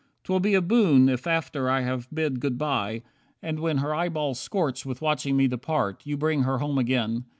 'Twill be a boon If after I have bid good by, and when Her eyeballs scorch with watching me depart, You bring her home again.